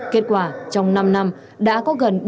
kết quả trong năm năm đã có gần